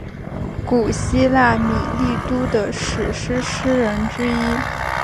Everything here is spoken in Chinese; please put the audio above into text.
古希腊米利都的史诗诗人之一。